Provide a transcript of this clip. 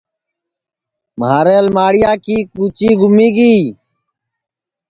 مھارے الماڑیا کی کُچی گُمی گی